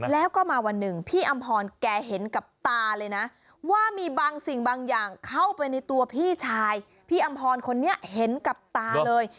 แล้วก็มาวันหนึ่งพี่อำพรแกเห็นกับตาเลยนะว่ามีบางสิ่งบางอย่างเข้าไปในตัวพี่ชายพี่อำพรคนนี้เห็นกับตาเลย